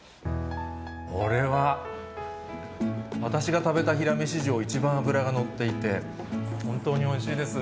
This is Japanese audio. これは、私が食べたヒラメ史上一番脂が乗っていて、本当においしいです。